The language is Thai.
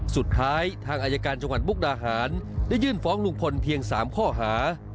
ทางอายการจังหวัดมุกดาหารได้ยื่นฟ้องลุงพลเพียง๓ข้อหา